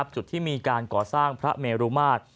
จุดที่มีการก่อสร้างพระเมรุมาตร